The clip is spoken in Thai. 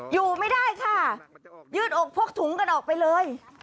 อยู่ไม่ได้ค่ะยืดอกพกถุงกันออกไปเลย